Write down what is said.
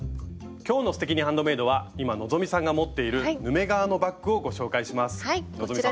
今日の「すてきにハンドメイド」は今希さんが持っているヌメ革のバッグをご紹介します。